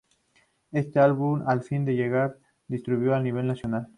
Este álbum al fin se llega a distribuir a nivel nacional.